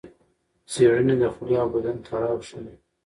څېړنې د خولې او بدن تړاو ښيي.